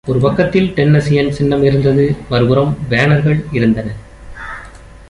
ஒரு பக்கத்தில் "டென்னஸியன்" சின்னம் இருந்தது, மறுபுறம் "பேனர்" கள் இருந்தன.